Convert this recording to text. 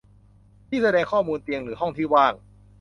ที่แสดงข้อมูลเตียงหรือห้องที่ว่าง